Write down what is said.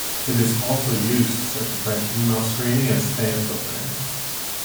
It is also used to circumvent email screening and spam filtering.